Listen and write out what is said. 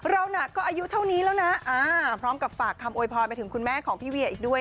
เราน่ะก็อายุเท่านี้แล้วนะพร้อมกับฝากคำโวยพรไปถึงคุณแม่ของพี่เวียอีกด้วย